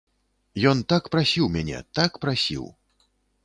Ён так прасіў мяне, так прасіў.